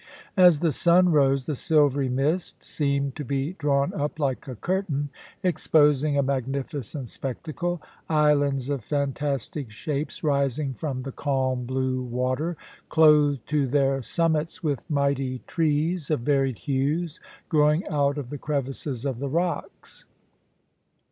As the sun rose the silvery mist seemed to be drawn up like a curtain, exposing a magnificent spectacle; islands of fantastic shapes rising from the calm, blue water, clothed to their summits with mighty trees, of varied hues, growing out of the crevices of the rocks.